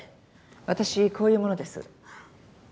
私こういう者です。